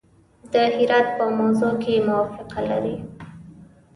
د هرات په موضوع کې موافقه لري.